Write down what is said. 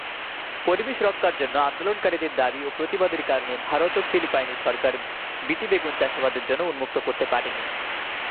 পরিবেশ রক্ষার জন্য আন্দোলনকারীদের দাবি ও প্রতিবাদের কারণে ভারত ও ফিলিপাইনের সরকার বিটি বেগুন চাষাবাদের জন্যে উন্মুক্ত করতে পারেনি।